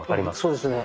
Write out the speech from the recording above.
そうですね。